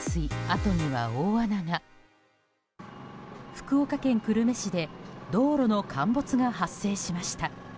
福岡県久留米市で道路の陥没が発生しました。